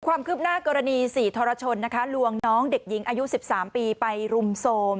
ความคืบหน้ากรณี๔ทรชนนะคะลวงน้องเด็กหญิงอายุ๑๓ปีไปรุมโทรม